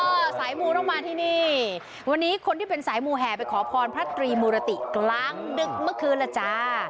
สายมูต้องมาที่นี่วันนี้คนที่เป็นสายมูแห่ไปขอพรพระตรีมูรติกลางดึกเมื่อคืนแล้วจ้า